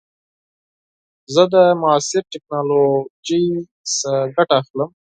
زه د معاصر ټکنالوژۍ څخه ګټه اخلم.